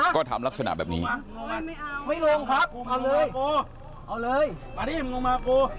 ก็ทำลักษณะแบบนี้ไม่ลงครับผมเอาเลยกูเอาเลยมาดิมึงลงมากู